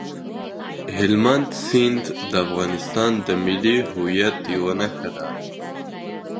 هلمند سیند د افغانستان د ملي هویت یوه نښه ده.